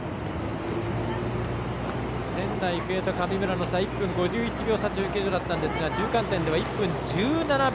仙台育英と神村の差１分５１秒差だったんですが中間点では１分１７秒。